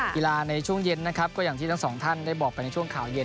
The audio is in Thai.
ในช่วงเย็นนะครับก็อย่างที่ทั้งสองท่านได้บอกไปในช่วงข่าวเย็น